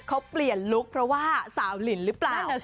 เขาเปลี่ยนลุคเพราะว่าสาวหลินหรือเปล่า